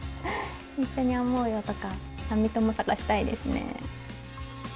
一緒に編もうよとか編み友探したいですね。